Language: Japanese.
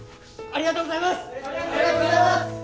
ありがとうございます！